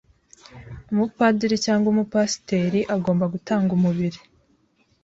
umupadiri cyangwa umupasiteri agomba gutanga umubiri